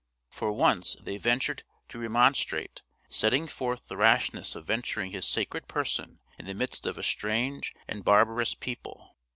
For once they ventured to remonstrate, setting forth the rashness of venturing his sacred person in the midst of a strange and barbarous people.